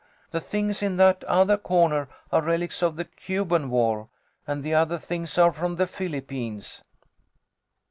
The things in that other corner are relics of the Cuban War, and the other things are from the Philippines."